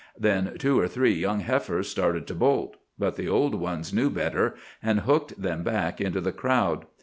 Then two or three young heifers started to bolt; but the old ones knew better, and hooked them back into the crowd.